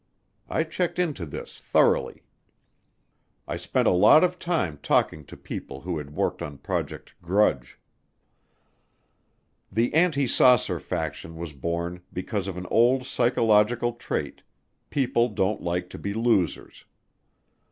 I checked into this thoroughly. I spent a lot of time talking to people who had worked on Project Grudge. The anti saucer faction was born because of an old psychological trait, people don't like to be losers.